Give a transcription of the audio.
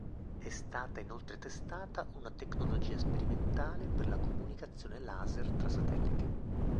È stata inoltre testata una tecnologia sperimentale per la comunicazione laser tra satelliti.